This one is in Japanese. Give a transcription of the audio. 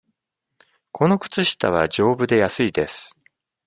この靴下は、じょうぶで安いです。